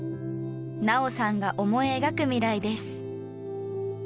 菜桜さんが思い描く未来です。